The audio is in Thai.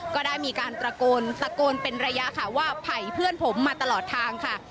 ก็ได้มีการตะโกนตะโกนเป็นระยะค่ะว่าไผ่เพื่อนผมมาตลอดทางค่ะ